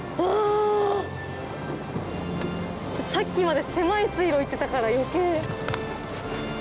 さっきまで狭い水路行ってたから余計。